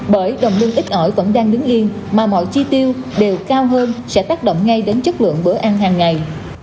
bởi đồng lương ít ỏi vẫn đang đứng yên mà mọi chi tiêu đều cao hơn sẽ tác động ngay đến chất lượng bữa ăn hàng ngày